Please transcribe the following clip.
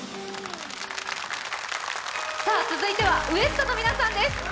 続いてはＷＥＳＴ．の皆さんです